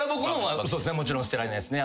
もちろん捨てられないですね。